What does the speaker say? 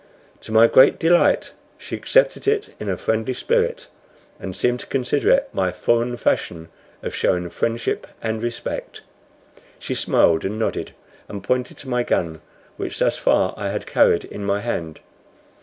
To my great delight she accepted it in a friendly spirit, and seemed to consider it my foreign fashion of showing friendship and respect. She smiled and nodded, and pointed to my gun, which thus far I had carried in my hand.